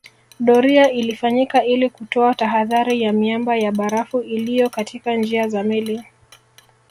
Doria ilifanyika ili kutoa tahadhari ya miamba ya barafu iliyo katika njia za meli